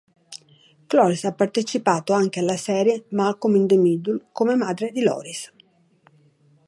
Cloris ha partecipato anche alla serie "Malcolm in the Middle" come madre di Lois.